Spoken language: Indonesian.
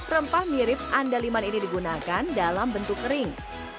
rempah mirip andaliman ini digunakan dalam bentuk kering